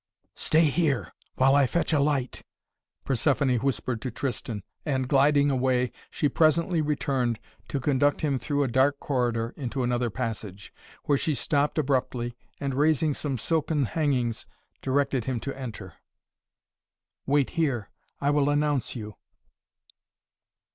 "Stay here, while I fetch a light," Persephoné whispered to Tristan and, gliding away, she presently returned, to conduct him through a dark corridor into another passage, where she stopped abruptly and, raising some silken hangings, directed him to enter. "Wait here. I will announce you."